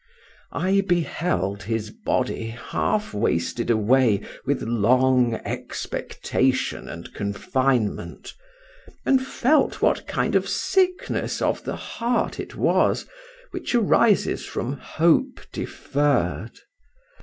I beheld his body half wasted away with long expectation and confinement, and felt what kind of sickness of the heart it was which arises from hope deferr'd.